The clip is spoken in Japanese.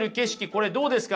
これどうですか？